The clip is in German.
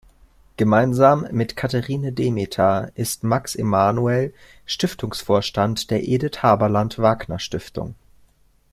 Gemeinsam mit Catherine Demeter ist Max Emanuel Stiftungsvorstand der Edith-Haberland-Wagner-Stiftung.